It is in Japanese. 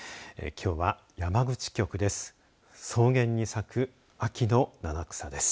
きょうは山口局です。